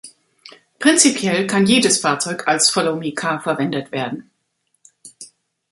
Prinzipiell kann jedes Fahrzeug als Follow-me-Car verwendet werden.